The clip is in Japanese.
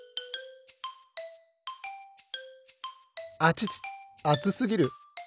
あちちあつすぎる！